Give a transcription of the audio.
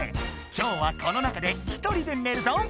今日はこの中で１人でねるぞ。